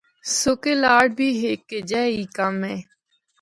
’سکے لاڈ‘ بھی ہک ہجیا ای کم اے۔